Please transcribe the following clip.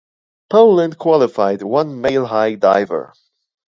Poland qualified one male high diver.